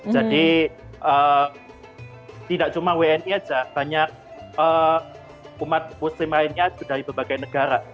jadi tidak cuma wni saja hanya umat muslim lainnya dari berbagai negara